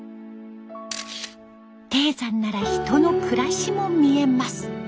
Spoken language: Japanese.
低山なら人の暮らしも見えます。